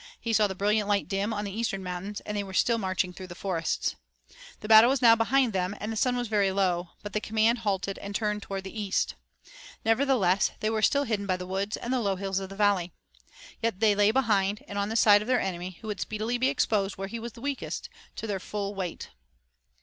He saw the brilliant light dim on the eastern mountains, and they were still marching through the forests. The battle was now behind them and the sun was very low, but the command halted and turned toward the east. Nevertheless, they were still hidden by the woods and the low hills of the valley. Yet they lay behind and on the side of their enemy who would speedily be exposed where he was weakest, to their full weight.